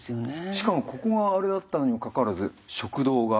しかもここがあれだったのにもかかわらず食道がメイン？